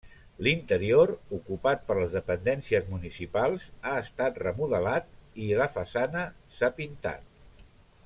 L'interior, ocupat per les dependències municipals ha estat remodelat i la façana s'ha pintat.